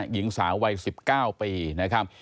หญิงสาววัย๑๙ปีนะครับ